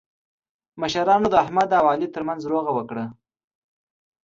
مشرانو د احمد او علي ترمنځ روغه وکړله.